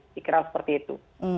dikira seperti itu